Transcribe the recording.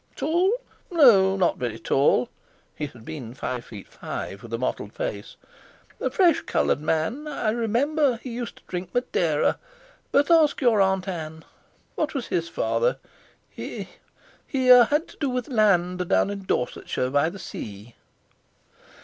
Tall? No—not very tall" (he had been five feet five, with a mottled face); "a fresh coloured man. I remember he used to drink Madeira; but ask your Aunt Ann. What was his father? He—er—had to do with the land down in Dorsetshire, by the sea."